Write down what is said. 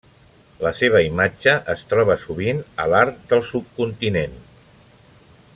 La seva imatge es troba sovint a l'art del subcontinent.